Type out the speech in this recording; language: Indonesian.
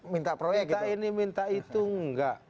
minta ini minta itu enggak